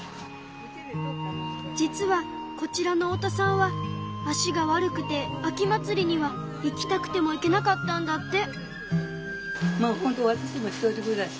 実はこちらの太田さんは足が悪くて秋祭りには行きたくても行けなかったんだって。